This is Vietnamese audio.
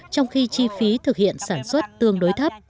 trong khi chi phí thực hiện sản xuất tương đối thấp